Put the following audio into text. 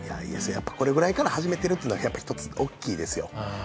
これぐらいから始めているというのは、一つ大きいですよ。